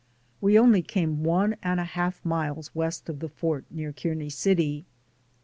We only came one and a half miles west of the fort near Kearney City.